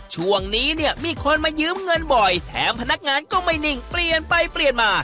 ช่วงนี้เนี่ยมีคนมายืมเงินบ่อยแถมพนักงานก็ไม่นิ่งเปลี่ยนไปเปลี่ยนมา